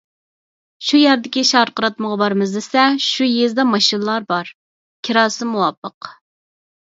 شۇ يەردىكى شارقىراتمىغا بارىمىز دېسە، شۇ يېزىدا ماشىنىلار بار، كىراسى مۇۋاپىق.